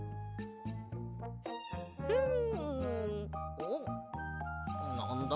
ん。おっなんだ？